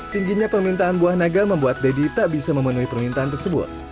tingginya permintaan buah naga membuat deddy tak bisa memenuhi permintaan tersebut